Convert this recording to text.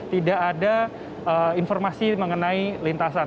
tidak ada informasi mengenai lintasan